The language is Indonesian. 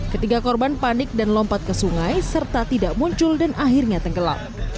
ketiga korban panik dan lompat ke sungai serta tidak muncul dan akhirnya tenggelam